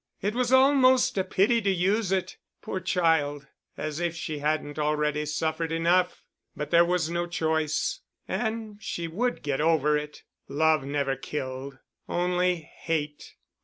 It was almost a pity to use it. Poor child. As if she hadn't already suffered enough! But there was no choice. And she would get over it. Love never killed—only hate